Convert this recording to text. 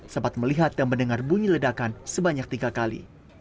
sempat melihat dan mendengar bunyi ledakan sebanyak tiga kali